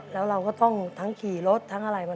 แล้วเราก็ต้องทั้งขี่รถทั้งอะไร